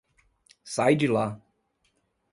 Sai de lá.